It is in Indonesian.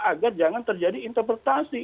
agar jangan terjadi interpretasi